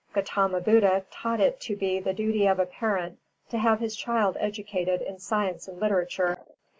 Gautama Buddha taught it to be the duty of a parent to have his child educated in science and literature.